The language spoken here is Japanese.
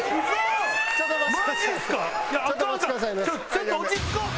ちょっと落ち着こう！